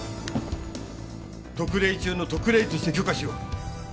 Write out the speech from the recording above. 特例中の特例として許可しよう。